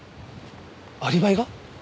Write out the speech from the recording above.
アリバイが？